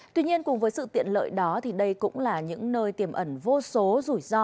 tuy nhiên cùng với sự tiện lợi đó thì đây cũng là những nơi tiềm ẩn vô số rủi ro